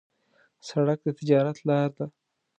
سړک د تجارت لار ده.